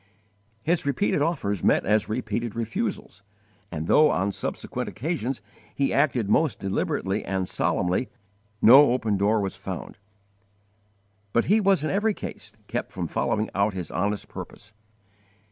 His repeated offers met as repeated refusals, and though on subsequent occasions he acted most deliberately and solemnly, no open door was found, but he was in every case kept from following out his honest purpose.